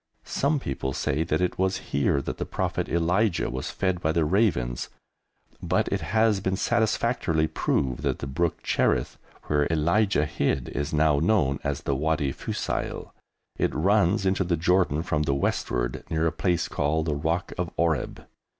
Some people say that it was here that the Prophet Elijah was fed by the ravens, but it has been satisfactorily proved that the brook Cherith, where Elijah hid, is now known as the Wadi Fusail. It runs into the Jordan from the westward, near a place called the rock of Oreb.